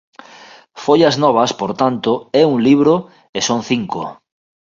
Follas Novas, por tanto, é un libro e son cinco.